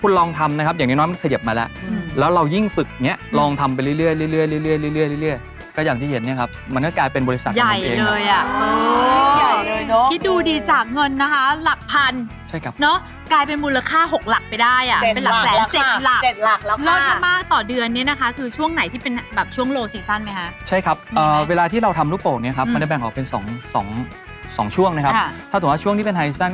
คุณแม่ไม่กลัวลูกปกแตกเนี่ยอะ